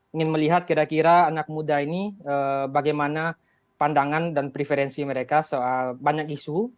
ingin melihat kira kira anak muda ini bagaimana pandangan dan preferensi mereka soal banyak isu